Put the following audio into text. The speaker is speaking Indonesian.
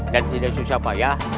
dan tidak susah payah